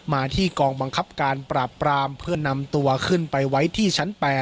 มาที่กองบังคับการปราบปรามเพื่อนำตัวขึ้นไปไว้ที่ชั้น๘